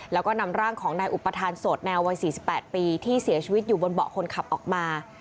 แล้วก็นำร่างของนายอุปทานโสดแนววัย๔๘ปีที่เสียชีวิตอยู่บนเบาะคนขับออกมา